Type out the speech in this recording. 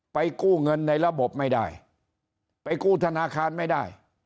กู้เงินในระบบไม่ได้ไปกู้ธนาคารไม่ได้